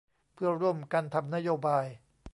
เพื่อร่วมกันทำนโยบาย